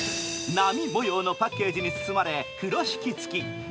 波模様のパッケージに包まれ風呂敷付き。